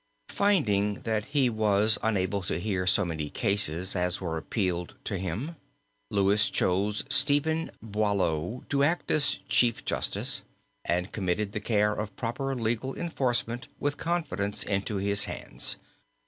Finding that he was unable to hear so many causes as were appealed to him, Louis chose Stephen Boileau to act as Chief Justice and committed the care of proper legal enforcement with confidence into his hands.